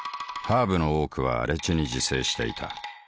ハーブの多くは荒地に自生していた。